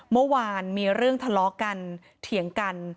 เมื่อวานมีเรื่องทะเลาะกันเถียงกัน